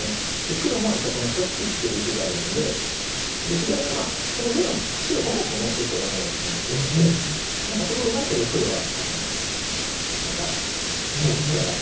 黒もやっぱりこの２つ切ってる石があるので左のその上の白５目も結構ダメがツマってるのでそこうまいこと黒は何か大きく荒らすような。